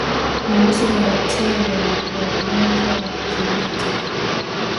Malisho yenye bakteria wa ugonjwa wa kimeta